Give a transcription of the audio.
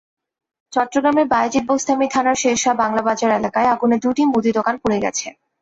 চট্টগ্রামের বায়েজিদ বোস্তামী থানার শেরশাহ বাংলাবাজার এলাকায় আগুনে দুটি মুদি দোকান পুড়ে গেছে।